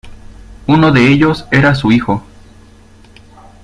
Uno de ellos era su hijo.